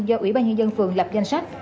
do ủy ban nhân dân phường lập danh sách